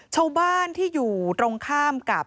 ชาวบ้านที่อยู่ตรงข้ามกับ